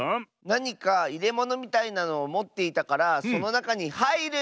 なにかいれものみたいなのをもっていたからそのなかにはいる！